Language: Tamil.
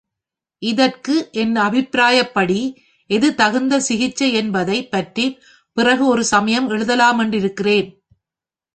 இதற்கு என் அபிப்பிராயப்படி எது தகுந்த சிகிச்சை என்பதைப் பற்றிப் பிறகு ஒரு சமயம் எழுதலாமென்றிருக்கிறேன்.